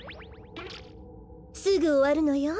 すぐおわるのよ。